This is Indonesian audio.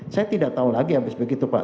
saya tidak tahu lagi habis begitu pak